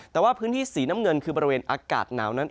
แต่ว่าพื้นที่สีน้ำเงินคือบริเวณอากาศหนาวนั้น